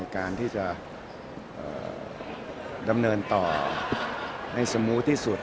การที่จะดำเนินต่อให้สมูทที่สุด